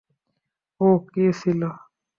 ও কে ছিল?